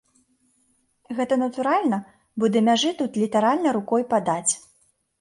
Гэта натуральна, бо да мяжы тут літаральна рукой падаць.